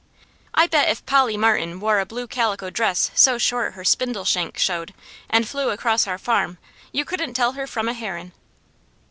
I bet if Polly Martin wore a blue calico dress so short her spindle shanks showed, and flew across our farm, you couldn't tell her from a heron.